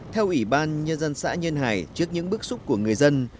theo ủy ban nhân dân xã nhân hải trước những bước xúc của người dân